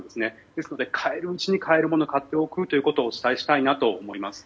ですので、買えるうちに買えるものを買っておくということをお伝えしておきます。